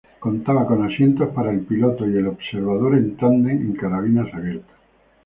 Contaba con asientos para el piloto y el observador en tándem en cabinas abiertas.